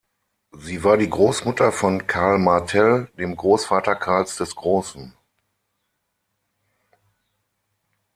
Sie war die Großmutter von Karl Martell, dem Großvater Karls des Großen.